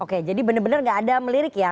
oke jadi benar benar nggak ada melirik ya